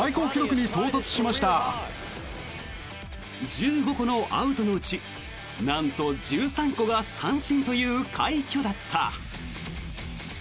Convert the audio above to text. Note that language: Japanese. １５個のアウトのうちなんと１３個が三振という快挙だった。